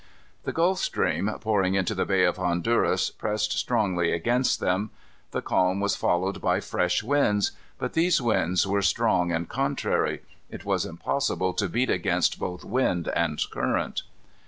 The Gulf stream, pouring into the Bay of Honduras, pressed strongly against them. The calm was followed by fresh winds. But these winds were strong and contrary. It was impossible to beat against both wind and current.